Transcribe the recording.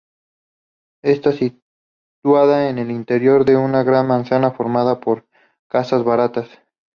Está situada en el interior de una gran manzana formada por casas baratas.